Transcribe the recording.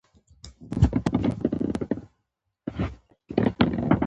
افغانستان کې د وګړي په اړه زده کړه کېږي.